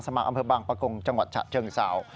สมัครอำเภอบางประกงจังหวัดฉะเชิงเซา